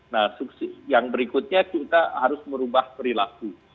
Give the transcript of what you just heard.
nah yang berikutnya kita harus merubah perilaku